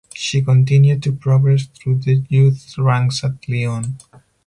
She continued to progress through the youth ranks at Lyon.